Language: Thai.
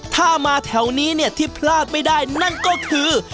ถ้ามาแถวนี้เนี่ยที่พลาดไม่ได้นั่นก็คือ